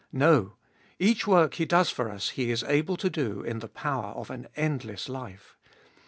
No, each work He does for us He is able to do in the power of an endless life.